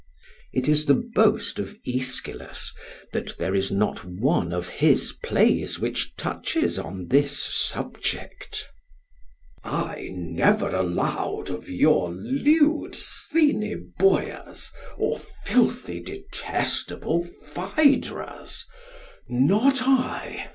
It is the boast of Aeschylus that there is not one of his plays which touches on this subject: "I never allow'd of your lewd Sthenoboeas Or filthy detestable Phaedras not I!